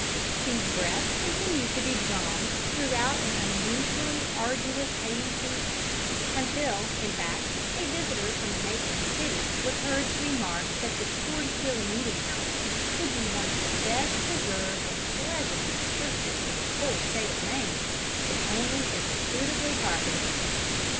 These breaths continued to be drawn throughout an unusually arduous haying season; until, in fact, a visitor from a neighbouring city was heard to remark that the Tory Hill Meeting House would be one of the best preserved and pleasantest churches in the whole State of Maine, if only it were suitably carpeted.